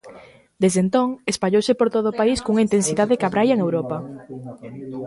Desde entón, espallouse por todo o país cunha intensidade que abraia en Europa.